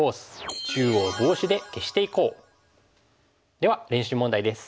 では練習問題です。